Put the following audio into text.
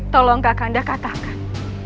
tolong kakanda katakan